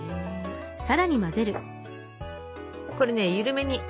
これね緩めに。